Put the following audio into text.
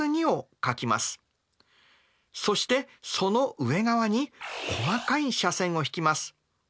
そしてその上側に細かい斜線を引きます。